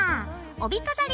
帯飾り